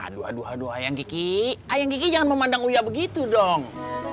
aduh aduh aduh ayang kiki ayang kiki jangan memandang uya begitu dong